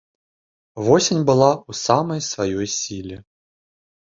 Восень была ў самай сваёй сіле.